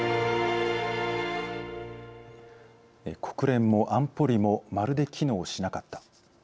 国連も安保理もまるで機能しなかった。